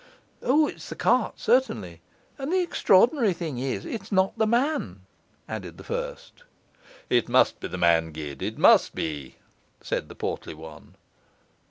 'O, it's the cart, certainly; and the extraordinary thing is, it's not the man,' added the first. 'It must be the man, Gid, it must be,' said the portly one.